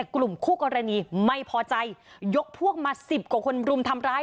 กลุ่มคู่กรณีไม่พอใจยกพวกมาสิบกว่าคนรุมทำร้าย